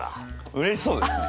うれしそうですね。